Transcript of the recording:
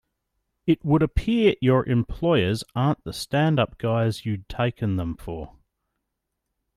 It would appear your employers aren't the stand up guys you'd taken them for.